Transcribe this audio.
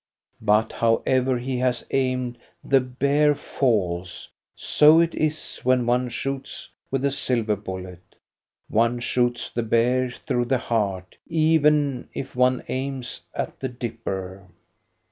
But however he has aimed, the bear falls. So it is when one shoots with a silver bullet. One shoots the bear through the heart, even if one aims at the Dipper.